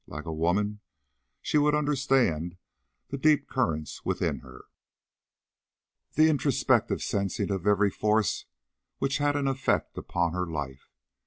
Like a woman she would understand the deep currents within her, the introspective sensing of every force which had an effect upon her life.